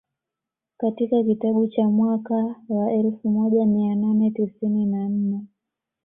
Katika kitabu cha mwaka wa elfu moja mia nane tisini na nne